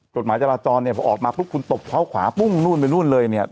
กฎหมายจราจรเนี่ยพอออกมาปุ๊บคุณตบเขาขวาปุ้งนู่นไปนู่นเลยเนี่ย